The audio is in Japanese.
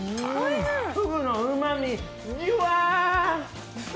ふぐのうまみ、ジュワー。